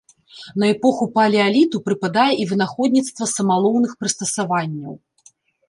На эпоху палеаліту прыпадае і вынаходніцтва самалоўных прыстасаванняў.